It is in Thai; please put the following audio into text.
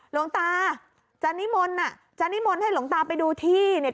หลวงตาจานิมนท์อ่ะให้หลวงตาไปดูที่เนี่ย